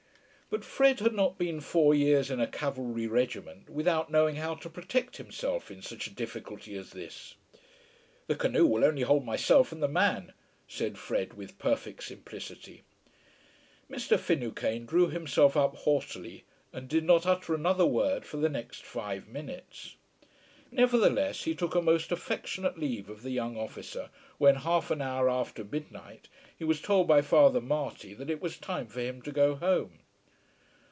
But Fred had not been four years in a cavalry regiment without knowing how to protect himself in such a difficulty as this. "The canoe will only hold myself and the man," said Fred, with perfect simplicity. Mr. Finucane drew himself up haughtily and did not utter another word for the next five minutes. Nevertheless he took a most affectionate leave of the young officer when half an hour after midnight he was told by Father Marty that it was time for him to go home.